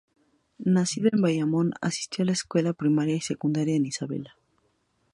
Nacido en Bayamón, asistió a la escuela primaria y secundaria en Isabela.